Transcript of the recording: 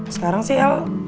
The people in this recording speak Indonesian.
sekarang sih el